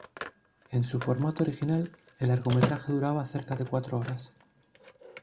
En su formato original, el largometraje duraba cerca de cuatro horas.